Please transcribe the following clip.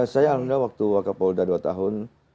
saya alhamdulillah waktu wakapolda dua tahun